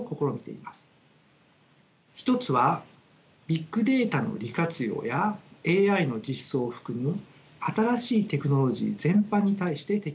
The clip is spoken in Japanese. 一つはビッグデータの利活用やＡＩの実装を含む新しいテクノロジー全般に対して適用することです。